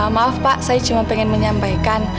maaf pak saya cuma pengen menyampaikan